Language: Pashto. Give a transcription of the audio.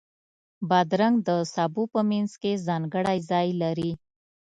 بادرنګ د سبو په منځ کې ځانګړی ځای لري.